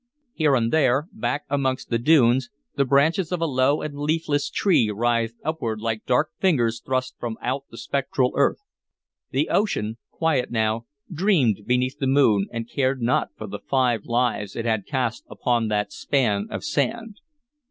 Here and there, back amongst the dunes, the branches of a low and leafless tree writhed upward like dark fingers thrust from out the spectral earth. The ocean, quiet now, dreamed beneath the moon and cared not for the five lives it had cast upon that span of sand.